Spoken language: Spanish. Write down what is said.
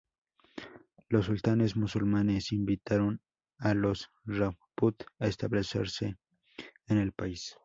Los sultanes musulmanes invitaron a los Rajput a establecerse en el país.